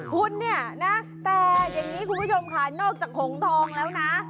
คุณเนี่ยนะแต่อย่างนี้คุณผู้ชมค่ะนอกจากหงทองแล้วนะ